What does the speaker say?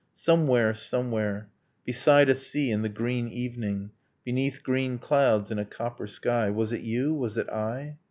Somewhere, somewhere, Beside a sea, in the green evening, Beneath green clouds, in a copper sky ... Was it you? was it I?